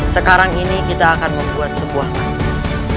sekarang ini kita akan membuat sebuah masjid